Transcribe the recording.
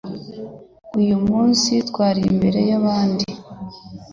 uyu munsi twari imbere yabandi